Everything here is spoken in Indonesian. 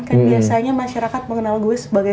kan biasanya masyarakat mengenal gue sebagai